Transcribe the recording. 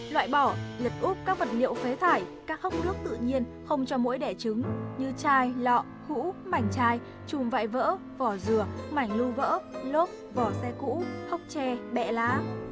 loại bỏ lật úp các vật liệu phế thải các hốc nước tự nhiên không cho mũi đẻ trứng như chai lọ cũ mảnh chai chùm vải vỡ vỏ dừa mảnh lưu vỡ lốp vỏ xe cũ hốc tre bẹ lá